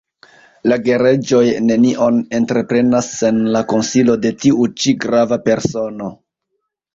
La gereĝoj nenion entreprenas sen la konsilo de tiu ĉi grava persono.